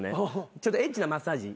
ちょっとエッチなマッサージ。